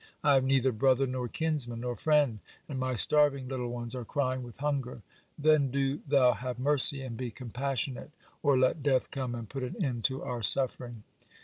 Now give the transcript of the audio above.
I have neither brother nor kinsman nor friend, and my starving little ones are crying with hunger. Then do Thou have mercy and be compassionate, or let death come and put an end to our suffering."